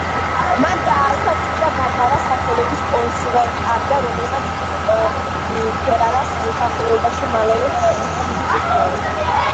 მან დააარსა წმინდა ბარბარას სახელობის კონსერვატორია, რომელმაც ფერარას მოსახლეობაში მალევე ჰპოვა დიდი პოპულარობა.